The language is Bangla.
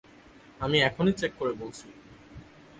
আমি এখনি চেক করে বলছি।